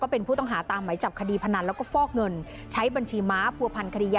โปรดติดตามตอนต่อไป